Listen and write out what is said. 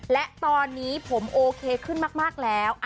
และตอนนี้ผมโอเคขึ้นมากแล้ว